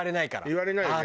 言われないよね。